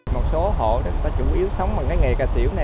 một số hộ chúng ta chủ yếu sống bằng nghề cà xỉu này